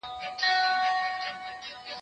لا تیاره وه په اوږو یې ساه شړله